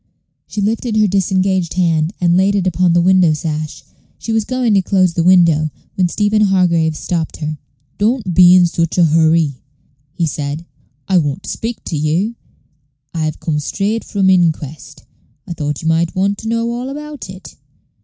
She lifted her disengaged hand, and laid it upon the window sash; she was going to close the window, when Stephen Hargraves stopped her. "Don't be in such a hoorry," he said; "I want to speak to you. I've come straight from th' inquest. I thought you might want to know all about it.